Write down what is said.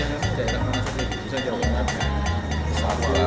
jadi kita harus berhati hati